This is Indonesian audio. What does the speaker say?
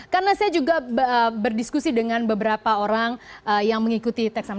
karena saya juga berdiskusi dengan beberapa orang yang mengikuti tax haven